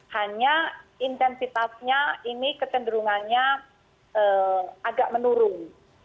hanya intensitasnya ini kecenderungannya agak menurun